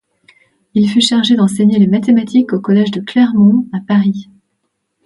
Il fut chargé d'enseigner les mathématiques au collège de Clermont à Paris.